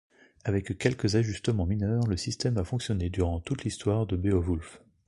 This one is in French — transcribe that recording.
Avec quelques ajustements mineurs, le système a fonctionné durant toute l’histoire de Beowulf.